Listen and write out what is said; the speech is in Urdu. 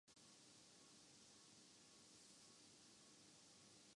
وفاقی وزیر سمندر پار پاکستانی صدر الدین راشدی کی سعودی لیبر کے وزیر سے اہم ملاقات